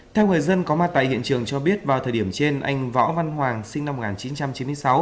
theo người dân có mặt tại hiện trường cho biết vào thời điểm trên anh võ văn hoàng sinh năm một nghìn chín trăm chín mươi sáu